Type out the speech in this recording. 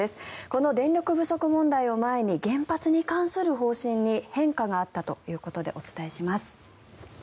この電力不足問題を前に原発に関する方針に変化があったということでお伝えします。